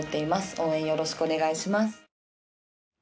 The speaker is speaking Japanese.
応援よろしくお願いします。